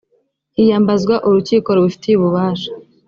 hiyambazwa urukiko rubifitiye ububasha